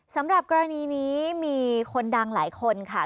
สำหรับกรณีนี้มีคนดังหลายคนค่ะ